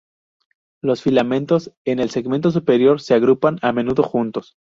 Los filamentos en el segmento superior se agrupan a menudo juntos.